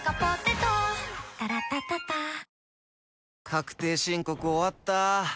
確定申告終わった。